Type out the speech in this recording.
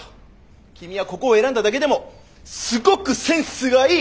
君はここを選んだだけでもすごくセンスがいい！